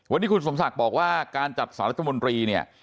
วันนี้คุณสมศักดิ์บอกว่าการจัดสรรรัฐมนตรีเนี่ย